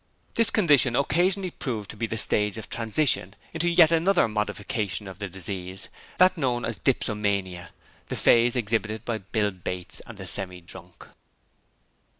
This condition occasionally proved to be the stage of transition into yet another modification of the disease that known as dipsomania, the phase exhibited by Bill Bates and the Semi drunk.